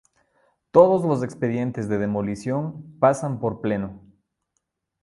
todos los expedientes de demolición pasan por pleno